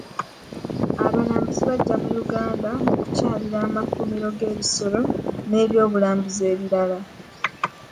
Abalambuzi bajja mu Uganda okukyalira amakuumiro g'ebisolo nebyobulambuzi ebirala.